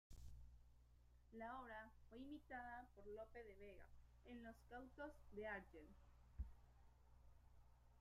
La obra fue imitada por Lope de Vega en "Los cautivos de Argel".